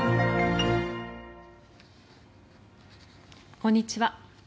こんにちは。